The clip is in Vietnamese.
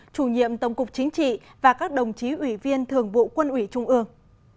chủ nhiệm tổng cục chính trị và các đồng chí ủy viên thường vụ quân ủy trung ương